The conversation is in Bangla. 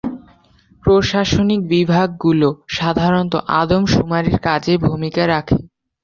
প্রশাসনিক বিভাগগুলো সাধারণত আদমশুমারীর কাজে ভূমিকা রাখে।